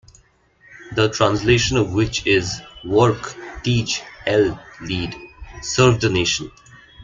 The translation of which is Work, Teach, Help, Lead - Serve the Nation.